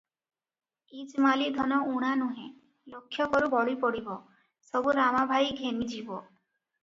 ଇଜମାଲୀ ଧନ ଊଣା ନୁହେ, ଲକ୍ଷକରୁ ବଳି ପଡିବ, ସବୁ ରାମା ଭାଇ ଘେନି ଯିବ ।